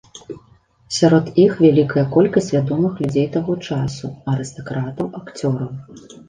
Сярод іх вялікая колькасць вядомых людзей таго часу, арыстакратаў, акцёраў.